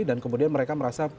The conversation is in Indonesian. dan kemudian mereka merasa